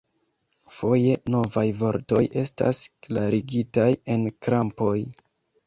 Foje novaj vortoj estas klarigitaj en krampoj.